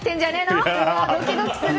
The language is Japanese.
ドキドキする。